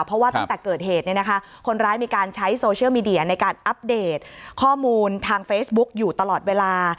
เพราะว่าตั้งแต่เกิดเหตุคนร้ายมีการใช้โซเชียลมีเดียในการอัปเดตข้อมูลทางเฟซบุ๊กอยู่ตลอดเวลา